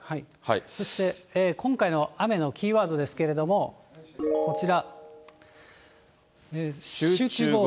そして今回の雨のキーワードですけれども、こちら、集中豪雨。